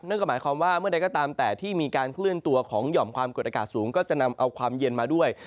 นั่นก็หมายความว่าเมื่อใดก็ตามแต่ที่มีการเคลื่อนตัวของหย่อมความกดอากาศสูงก็จะนำเอาความเย็นมาด้วย